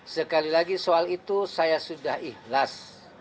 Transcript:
sekali lagi soal itu saya sudah ikhlas